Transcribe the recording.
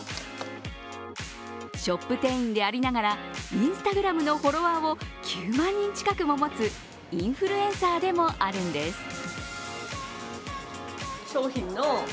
ショップ店員でありながらＩｎｓｔａｇｒａｍのフォロワーを９万人近くも持つインフルエンサーでもあるんです。